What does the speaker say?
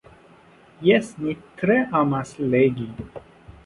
Jes, mi tre amas legi.